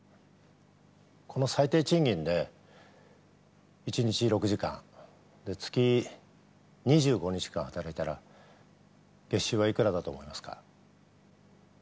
この最低賃金で１日６時間で月２５日間働いたら月収はいくらだと思いますか？